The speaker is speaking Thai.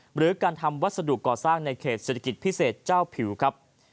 หรือการทำวัสดุก่อสร้างในเขตเศรษฐกิจพิเศษเจ้าผิวครับ